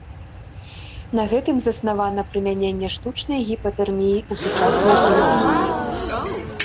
На гэтым заснавана прымяненне штучнай гіпатэрміі ў сучаснай хірургіі.